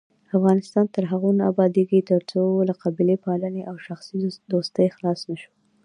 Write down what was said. افغانستان تر هغو نه ابادیږي، ترڅو له قبیلې پالنې او شخصي دوستۍ خلاص نشو.